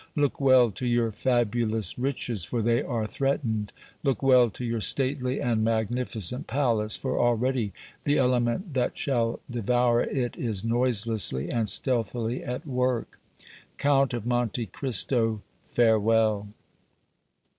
Look well to your fabulous riches, for they are threatened; look well to your stately and magnificent palace, for already the element that shall devour it is noiselessly and stealthily at work! Count of Monte Cristo, farewell!"